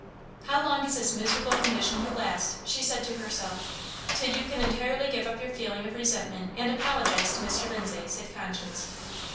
"How long is this miserable condition to last?" she said to herself. "Till you can entirely give up your feeling of resentment, and apologize to Mr. Lindsay," said conscience.